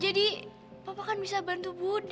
jadi papa kan bisa bantu budi